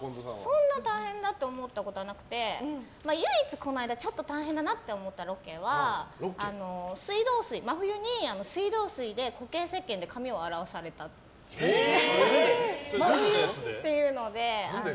そんな大変だと思ったことはなくて唯一この間ちょっと大変だなと思ったロケは真冬に水道水で固形せっけんで髪を洗わされたというので。